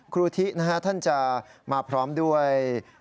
ครูทินะฮะท่านจะมาพร้อมด้วย